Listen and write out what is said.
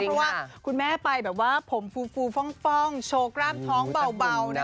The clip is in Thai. เพราะว่าคุณแม่ไปแบบว่าผมฟูฟ่องโชว์กล้ามท้องเบานะ